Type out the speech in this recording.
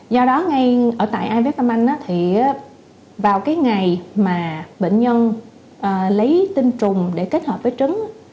do đó ngay ở tại ivf tâm anh thì vào ngày mà bệnh nhân lấy tinh trùng để kết hợp với trứng